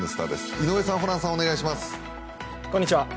井上さん、ホランさん、お願いします。